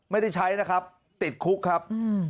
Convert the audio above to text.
ไม่ได้ใช้นะครับติดคุกครับ